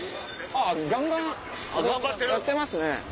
ガンガンやってますね。